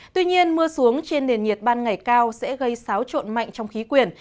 tuy nhiên mưa xuống trên nền nhiệt ban ngày cao sẽ gây xáo trộn mạnh trong khí quyển